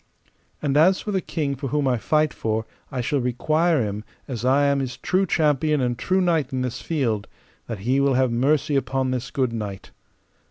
And as for the king for whom I fight for, I shall require him, as I am his true champion and true knight in this field, that he will have mercy upon this good knight.